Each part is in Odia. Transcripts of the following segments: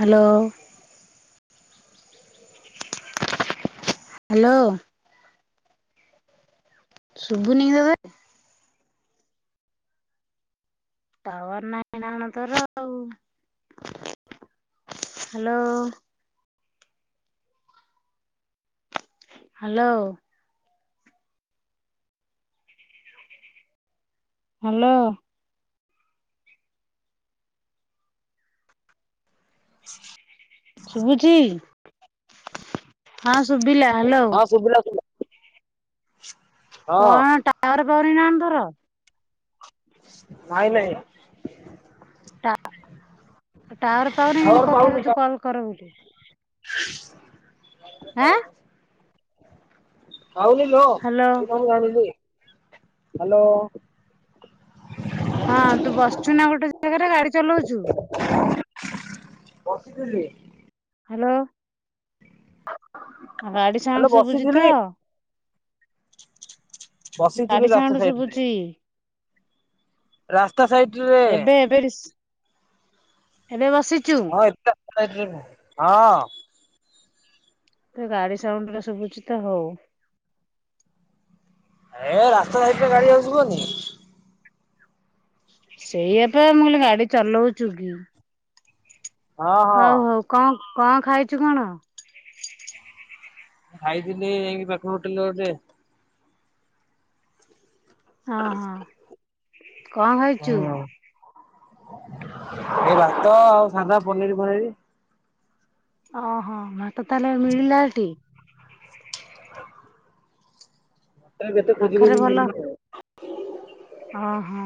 ହାଲୋ। ହାଲୋ। ଶୁଭୁନି ତତେ? ଟାୱାର ନାଇଁ ନା କଣ ତୋର ଆଉ? ହାଲୋ। ହାଲୋ। ହାଲୋ। [inaudible] ଶୁଭୁଛି ହଁ ଶୁଭିଲା ହ୍ୟାଲୋ ହଁ ଶୁଭିଲା ହଁ। କଣ ଟାୱାର ପାଉନି ନା କଣ ତୋର? ନାଇଁ ନାଇଁ। ଟାୱାର ପାଉନି ଟାୱାର କେମିତି କହି ପାଉନି ଦୋଉଛୁ କଲ କରିବାକୁ। [inaudible] ଆଁ? କହୁନିଲୋ ହ୍ୟାଲୋ ଇ କହୁନିଲି ହାଲୋ। ହଁ ତୁ ବସିଛୁ ନା ଗୋଟେ ଜାଗାରେ ଗାଡି ଚଲଉଛୁ? ବସିଥିଲି। ହାଲୋ। [inaudible] ଆଉ ଗାଡି ହ୍ୟାଲୋ ସାଉଣ୍ଡ ଶୁଭୁଛି ବସିଥିଲି ତ ଗାଡି ବସିଥିଲୁ ସାଉଣ୍ଡ ରାସ୍ତା ସାଇଟରେ। ଶୁଭୁଛି ରାସ୍ତା ସାଇଟରେ। ଏବେ ଏବେ ଏବେ ବସିଛୁ। ହଁ। ତ ଗାଡି ସାଉଣ୍ଡ ଟା ଶୁଭୁଛି ତ ହଉ। ଏ ରାସ୍ତା ସାଇଟରେ ଗାଡି ଆଉ ଯିବନି। ସେଇଆପା ମୁଁ କହିଲି ଗାଡି ଚଲଉଛୁ କି? ହଁ ହଁ ହଉ ହଉ କଣ କଣ ଖାଇଛୁ କଣ? ଖାଇଥିଲି ଏଇ ମେଘ ଉଠେଇଲା ଯେ ହଁ ହଁ। କଣ ଖାଇଛୁ? ଏ ଭାତ ଆଉ ସାଧା ପନିର ଫନିର। ଓହୋ ଭାତ ତାହେଲେ ମିଳିଲା ସେଠି? [unintelligible] ଓ ହୋ।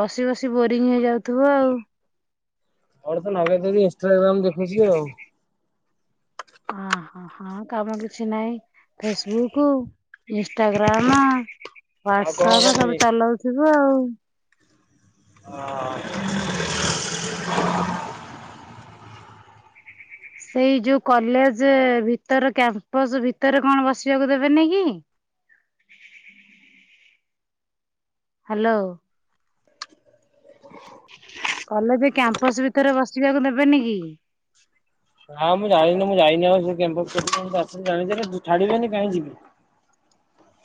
ବସି ବସି ବୋରିଙ୍ଗ ହେଇଯାଉଥିବ ଆଉ। ଆର ତ ନି ଇନଷ୍ଟାଗ୍ରାମ ଦେଖୁଛି ଆଉ। ଅ ହୋ ହଁ କାମ କିଛି ନାହିଁ ଫେସବୁକ୍ ଇନଷ୍ଟାଗ୍ରାମ, ଆଉ କଣ ହଟସପ୍ କରିବି। ସବୁ ଚଲାଉଥିବୁ ଆଉ। ହଁ ହୁଁ। [inaudible] ସେଇ ଯୋଉ କଲେଜ ଭିତର କ୍ୟାମ୍ପସ ଭିତରେ କଣ ବସିବାକୁ ଦେବେନି କି? [inaudible] ହାଲୋ। [inaudible] କଲେଜ କ୍ୟାମ୍ପସ ଭିତରେ ବସିବାକୁ ନେବେନି କି? ହାଁ ମୁଁ ଜାଣିନି ମୁଁ ଯାଇନି ଆଉ ସେ କ୍ୟାମ୍ପସ୍ କତିକି ମୁଁ ତ ଆକ୍ଚୁଲି ଜାଣିଚି ହେଟା ଛାଡ଼ି ବେନି କାହିଁ ଯିବି?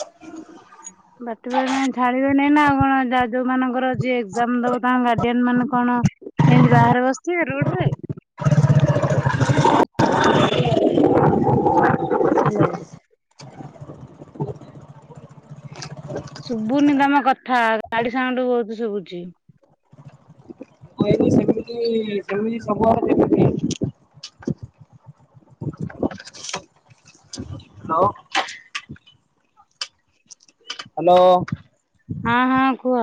[inaudible] ବାଟେଇପାରିଏଁ ଛାଡ଼ିବେନେଇ ନାଁ ଆଉ କଣ ଯା ଯୋଉ ମାନଙ୍କର ଯିଏ ଏଗ୍ଜାମ୍ ଦବ ତାଙ୍କ ଗାର୍ଡି଼ଆନ୍ ମାନେ କଣ ଏନ୍ତି ବାହାରେ ବସଥିବେ ରୋଡ଼ରେ? ହାଲୋ। ଶୁଭୁନି ତମ କଥା ଗାଡ଼ି ସାଉଣ୍ଡ୍ ବୋହୁତ ଶୁବୁଚି। ତି ସେମିତି ସବୁଆଡ଼େ ଯେମିତି। ହେଲୋ। ହାଲୋ। ହଁ ହଁ କୁହ।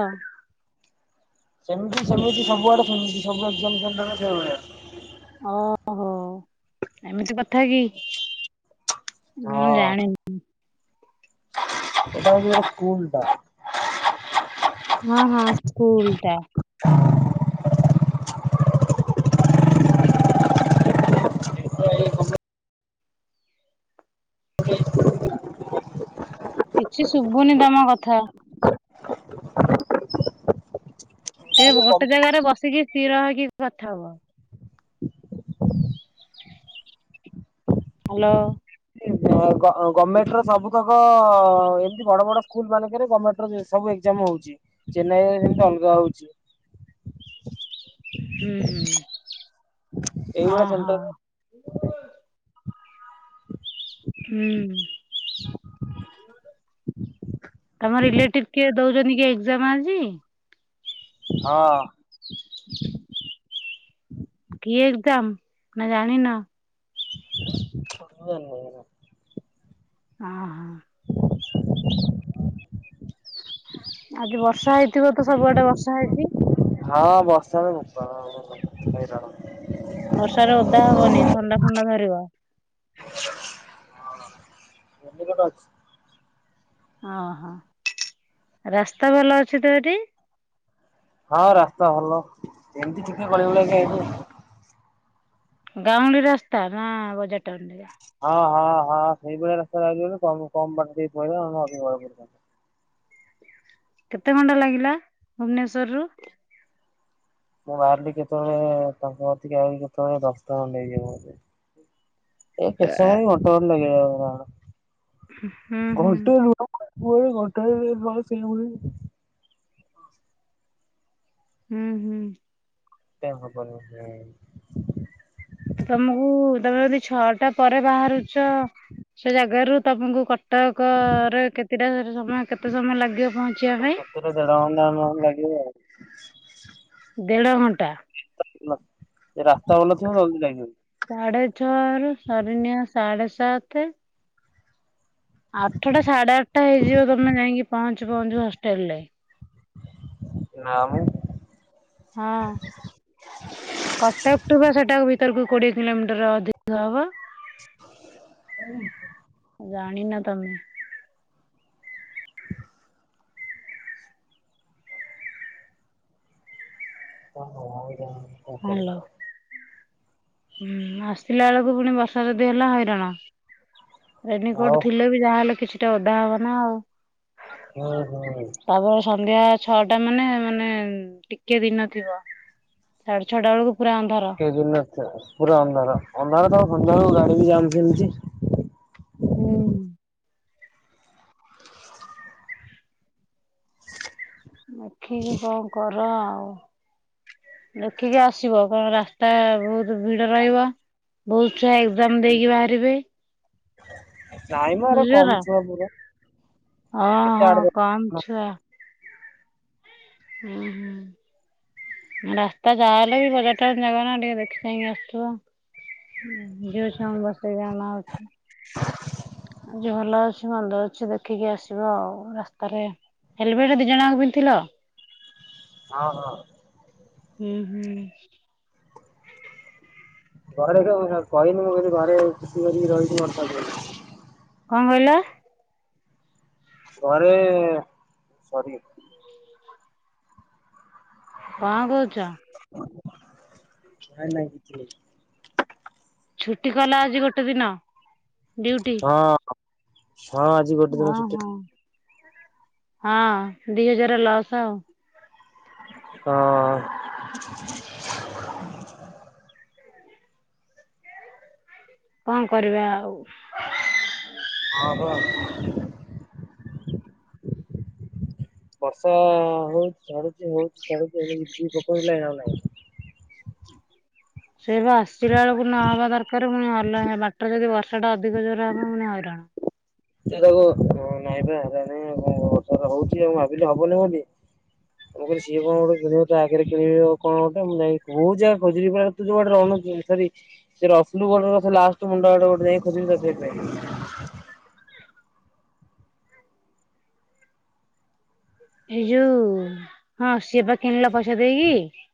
ସେମିତି ସେମିତି ସବୁଆଡ଼େ ସେମିତି ସବୁ ଏଗଜାମ୍ ସେଣ୍ଟର୍ ରେ ସେଇଭଳିଆ। ଓହୋ ଏମିତି କଥା କି? ମୁଁ ହଁ। ଜାଣି ଇ। ଏଟା ହଉଚି ଗୋଟେ ସ୍କୁଲ୍ ଟା। ହଁ ହଁ ସ୍କୁଲ୍ ଟା। କିଛି ଶୁଭୁନି ତମ କଥା। ଟେ ଗୋଟେ ଜାଗାରେ ବସିକି ସ୍ଥିର ହେଇକି କଥା ହୁଅ। ହାଲୋ। ଗ ଗ ଗମେଟ୍ ର ସବୁକକ ଏମତି ବଡ଼ ବଡ଼ ସ୍କୁଲ୍ ମାନଙ୍କରେ ଗମେଟ୍ ର ସବୁ ଏଗଜାମ୍ ହଉ ହୋଉଚି ଚେନ୍ନାଇରେ ସେମତି ଅଲଗା ହଉଚି। ଉଁ ହୁଁ ଏଇଭଳିଆ ଅହ। ସେଣ୍ଟରରେ ଉଁ। ଆମ ରିଲେଟିଭ୍ କିଏ ଦୋଉଚନ୍ତି କି ଏଗ୍ଜାମ୍ ଆଜି? ହଁ। କି ଏଗ୍ଜାମ୍ ନାଁ ଜାଣିନ? ପରବାଏ ନିଏନା। ଅହ। ଆଜି ବର୍ଷା ହେଇଥିବ ତ ସବୁଆଡ଼େ ବର୍ଷା ହେଇଚି। ହଁ ବର୍ଷାରେ ବୋପା ମା ଭଲ ହଇରାଣ। ବର୍ଷାରେ ଓଦା ହବନି ଥଣ୍ଡା ଫଣ୍ଡା ଧରିବ। ହଁ। ରେନିକୋଟ୍ ଅଛି? ଓହୋ ରାସ୍ତା ଭଲ ଅଛି ତ ଏଠି? ହଁ ରାସ୍ତା ଭଲ ଏମତି ଟିକେ ଗଳି ଗୁଳାକି ଆଇଲି। ଗାଉଁଲି ରାସ୍ତା ନାଁ ବଜାର୍ ଟାଉନ୍ ଏରିଆ? ହଁ ହଁ ହଁ ସେଇଭଳିଆ ରାସ୍ତାରେ ଆଇଲୁ ବୋଲି କମ୍ କମ୍ ବାଟ ଟିକେ ପାଇଲା ନନେ ଅଧିକ ବାଟ ଟିକେ ପଡ଼ିଥାନ୍ତା। କେତେ ଘଣ୍ଟା ଲାଗିଲା ଭୁବନେଶ୍ଵରରୁ? ମୁଁ ବାହାରିଲି କେତୋଳେ ତାଙ୍କ କତିକି ଆଇଲି ଯୋତୋଳେ ଦଶଟା ଅଣ୍ଡେ ହେଇଯିବ ବୋଧେ। ଏ କେ ସମୟ ଇ ଘଣ୍ଟେ ଅଧେ ଲାଗିଅଲା ହୁଁ ଏଗ୍ଜାମ୍ ଟା ହୁଁ ଘଣ୍ଟେ [unintelligible] ମୁଁ ଅଇଲି ଘଣ୍ଟେ ଅଧେ ପରେ ସେୟା ହୁଏ। ଉଁ ହୁଁ। ଟା ହବନି ଯାଇ। ତ ତମୁକୁ ମତେ ଯଦି ଛଅଟା ପରେ ବାହାରୁଛ ସେ ଜାଗାରୁୁ ତମୁକୁ କ ଟକରେ କେତିଟା ସେଠି ସମୟ କେତେ ସମୟ ଲାଗିବ ପହଞ୍ଚିବା ପାଇଁ? କେତେଟା ଦେଢ ଘଣ୍ଟା ନହେଲେ ଲାଗିବ ଆଉ। ଦେଢ଼ ଘଣ୍ଟା। ଏ ରାସ୍ତା ଭଲଥିବ ଜଲଦି ଅଲ୍ଦୀ ଟାଇମ୍ ହିଅନି। ସାଢ଼େ ଛଅରୁ ସରିନିଅ ସାଢ଼େ ସାତେ। ଆଠଟା ସାଢେ ଆଠଟା ହେଇଯିବ ତମେ ଯାଇଁକି ପହଞ୍ଚୁ ପହଞ୍ଚୁ ହଷ୍ଟେଲ ରେ। ନାଁ ମ। ହଁ। କଟକ ଟୁ ବା ସେଟା ଆଉ ଭିତରକୁ କୋଡିଏ କିଲୋମିଟର ଅଧିକ ହବ। ଜାଣି ନ ତମେ। ଓ ହଉ। ହାଲୋ। ହୁଁ ଆସିଲା ଏଳକୁ ପୁଣି ବର୍ଷା ଯଦି ହେଲା ହଇରାଣ। ଆଉ ରେନିକୋଟ ଥିଲେ ବି ଯାହାହେଲେ କିଛିଟା ଓଦା ହବନା ଆଉ। ଉଁ ହୁଁ। ତାପରେ ସନ୍ଧ୍ୟା ଛଅଟା ମାନେ ମାନେ ଟିକିଏ ଦିନ ଥିବ ସାଢେ ଛଅଟା ବେଳକୁ ପୁରା ଅନ୍ଧାର କେଇ ଯିବେନି ରାସ୍ତା। ପୁରା ଅନ୍ଧାର ଅନ୍ଧାର ତ ସନ୍ଧ୍ୟାବେଳୁକୁ ଗାଡି ବି ଯାଆନ୍ତିନିଟି। ହୁଁ। ଦେଖିକି କଣ କର ଆଉ। ଦେଖିକି ଆସିବ କଣ ରାସ୍ତା ବହୁତ ଭିଡ ରହିବ ବହୁତ୍ ଛୁଆ ଏକଜାମ୍ ଦେଇକି ବାହାରିବେ। ନାଇମ ହେରା ବୁଝିଲ କମ୍ ନା। ଛୁଆ ପୁରା କେତେ ଓହୋ ଆଠ କମ୍ ଦଶ ନଅ। ଛୁଆ ହୁଁ ହୁଁ। ରାସ୍ତା ଯାହା ହେଲେ ବି ବଜାରଟା ଚିନ୍ତାକରୁନା ଟିକେ ଦେଖି ଚାହିଁ କି ଆସଥୁବ। ଯୋଉ ଛୁଆଙ୍କୁ ବସେଇ ଆଣା ହଉଚି। ଦେହ ଭଲ ଅଛି? ମନ୍ଦ ଅଛି ଦେଖିକି ଆସିବ ଆଉ ରାସ୍ତାରେ ହେଲମେଟ ଦି ଜଣ ଯାଙ୍କ ପିନ୍ଧିଥିଲ। ହଁ ହଁ। ହୁଁ ହୁଁ। ଘରେ ରହିକି ଆଉ ମୁଁ କହିନି ମୁଁ କିଛି ଘରେ [unintelligible] ରହିଛିି ବର୍ଷା ପାଇଁ। କଣ କହିଲ? ଘରେ ସରି। କଣ କହୁଚ? ନାଇଁ ନାଇଁ କିଛି ହେଇନି। ଛୁଟି କଲା ଆଜି ଗୋଟେ ଦିନ ଡିଉଟି। ହଁ ହଁ ଆଜି ଗୋଟେ ଦିନ ଛୁଟି। ହଁ ଦି ହଜାର ଲସ୍ ଆଉ। ହଁ ଅ। କଣ କରିବା ଆଉ। ହଁ ବା। ବର୍ଷା ହଉଚି ଛାଡୁଚି ହଉଚି ଛାଡୁଚି ଏବେ ଏଇ ଟୋପେ ହେଲେ ଆଉ ନାହିଁ। ସେଇବା ଆସିଲା ବେଳକୁ ନହବା ଦରକାର ପୁଣି ହଲହେ ବାଟରେ ଯଦି ବର୍ଷା ଟା ଅଧିକ ଜୋରରେ ହବ ପୁଣି ହଇରାଣ। ହଁ। [unintelligible] ନାଇଁପା ହେଲାନେଇ ବର୍ଷାଟା ହଉଚି ଆଉ ଭାବିଲି ହବନି ବୋଲି ମୁଁ କହିଲି ସିଏ କଁ ଗୋଟେ କିଣିବ ଚା ଆଗରେ କିଣିବ କଣ ଗୋଟେ ମୁଁ ଯାଇଁ ମୁଁ ଯାହା ଖୋଜିଲି [unintelligible] ଅନଉ ସିଏ ହରି ସେ ରସଲୁଗଡ ଲାଷ୍ଟ ମୁଣ୍ଡର ଗୋଟେ ଯାଇ ଖୋଜିବି ହ ସେଇଥିପାଇଁ ଏଇ ଯୋଉ ହଁ ସିଏ ବା କିଣିଲା ପଇସା ଦେଇକି।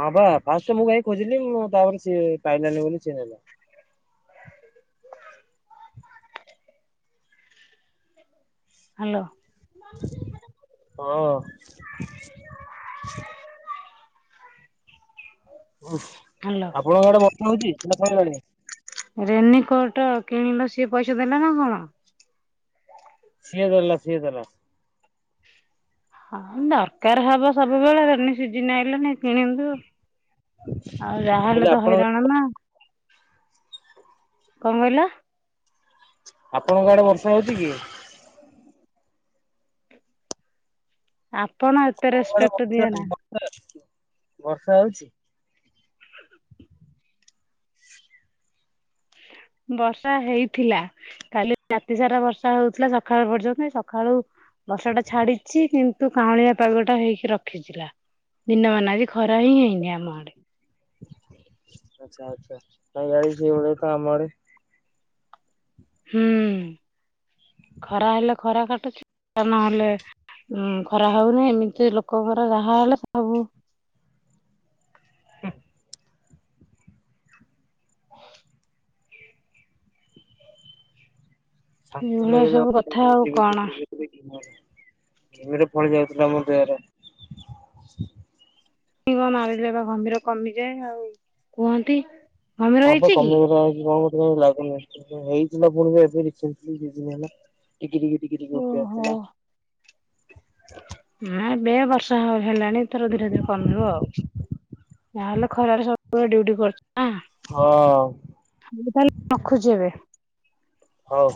ହଁ ବା ଫାଷ୍ଟ ମୁଁ ଯାଇଁ ଖୋଜିଲି ମୁଁ ତାପରେ ସେ ପାଇଲାନି ବୋଲି ଚିହ୍ନେଇଲା। [unintelligible] ହାଲୋ। ହଁ। [unintelligible] ହାଲୋ ଆପଣଙ୍କ ଆଡେ ବର୍ଷା ହଉଚି ନା ଛାଡଲାଣିଣି? ରେନିକୋଟ କିଣିଲ ସିଏ ପଇସା ଦେଲା ନା କଣ? ସିଏ ଦେଲା ସିଏ ଦେଲା। ହଁ ଦରକାର ହବ ସବୁବେଳେ ରେନି ସିଜିନ ଆଇଲାଣି କିଣଦୋଉ। ଆଉ ମୁଁ କହିଲି ଯାହାହେଲେ ତ ଆପଣ ହଇରାଣ ନା। କଣ କହିଲ? ଆପଣଙ୍କ ଆଡେ ବର୍ଷା ହୋଉଚି କି? ଆପଣ ଏତେ ଆଡେ ରେସପେକ୍ଟ ବର୍ଷା ଦିଅ ନା। ବର୍ଷା ହୋଉଛି? ବର୍ଷା ହେଇଥିଲା କାଲି ରାତି ସାରା ବର୍ଷା ହୋଉଥୁଲା ସଖାଳୁ ପର୍ଯ୍ୟନ୍ତ ଏଇ ସଖାଳୁ ବର୍ଷାଟା ଛାଡିଚି କିନ୍ତୁ କାଉଁଳିଆ ପାଗଟା ହେଇକି ରଖିଛିଲା। ଦିନ ମାନ ଆଜି ଖରା ହିଁ ହେଇନି ଆମ ଆଡେ। ଆଚ୍ଛା ଆଚ୍ଛା ହଁ ଭାଇ ସେଇ ଭଳିଆ ତ ଆମ ଆଡ଼େ ହୁଁ ଖରା ହେଲେ ଖରା କାଟୁଚି। ନହେଲେ ଉଁ ଖରା ହୋଉନି ଏମିତି ଲୋକଙ୍କର ଯାହାହେଲେ ସବୁ ହୁ। ଶାନ୍ତି ଏଇଭଳିଆ ଲାଗିଲା ସବୁ କଥା [unintelligible] ଆଉ ଦେଖି କଣ ଦେଖି ମୋ ଘିମିରି ଫଳି ଯାଉଥିଲା ମୋ ଦେହରେ। ଏଇ କଁ ମାରିଲେ ପା ଘମିର କମିଯାଏ ଆଉ କୁହନ୍ତି। ଘମିର ହଁ ପା ହେଇଛି କି? କମି ଗଲା ଆଜି। [unintelligible] ଭଲ ଲାଗୁନି ଏବେ ହେଇଚି ନା ପୁଣି କଁ ଏବେ କିଛି ଏଇ କିଛ ଦିନ ହେଲା। ଟିକି ଟିକି ଟିକି ଟିକି ଉଠେଇ ଓହୋ। ଆସିଲା। ନା ଏବେ ଆଉ ବର୍ଷ୍ ତାହେ ହେଲାଣି ଏଥର ଧୀରେ ଧୀରେ କମିବ ଆଉ ଯାହାହେଲେ ଖରାରେ ସବୁବେଳେ ଡ୍ୟୁଟି କରଚ ଆ ହଁ ମୁଁ ତାହେଲେ ରଖୁଚି ଏବେ। ହୋଉ।